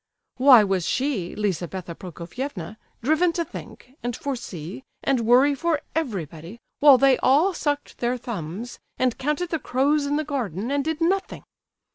Why was she, Lizabetha Prokofievna, driven to think, and foresee, and worry for everybody, while they all sucked their thumbs, and counted the crows in the garden, and did nothing?